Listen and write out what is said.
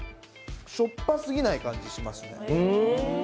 しょっぱすぎない感じがしますね。